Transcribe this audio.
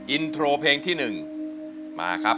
อินโทรเพลงที่๑มาครับ